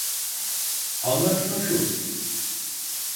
Anlaşma şu: